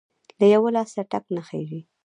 له يوه لاسه ټک نه خیژي!.